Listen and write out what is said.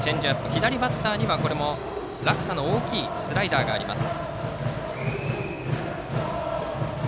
左バッターには落差の大きいスライダーがあります。